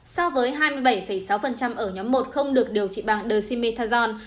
so với hai mươi bảy sáu ở nhóm một không được điều trị bằng dexamethasone